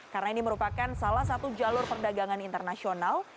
karena ini merupakan salah satu jalur perdagangan internasional